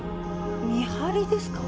見張りですか？